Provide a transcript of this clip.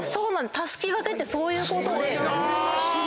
たすき掛けってそういうことで。